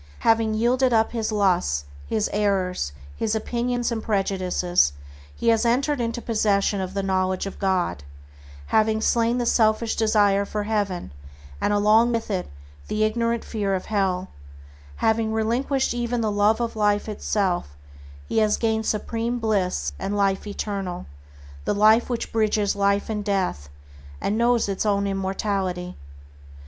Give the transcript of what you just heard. Having yielded up his lusts, his errors, his opinions and prejudices, he has entered into possession of the knowledge of God, having slain the selfish desire for heaven, and along with it the ignorant fear of hell; having relinquished even the love of life itself, he has gained supreme bliss and Life Eternal, the Life which bridges life and death, and knows its own immortality.